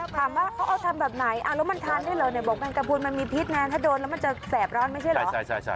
ถามว่าเขาเอาทำแบบไหนแล้วมันทานได้เหรอเนี่ยบอกแมงกระพูนมันมีพิษไงถ้าโดนแล้วมันจะแสบร้อนไม่ใช่เหรอ